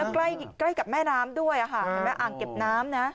ใกล้กับแม่น้ำด้วยนะคะอ่ะอังเก็บน้ำนะ